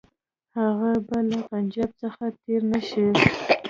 هغه به له پنجاب څخه تېر نه شي.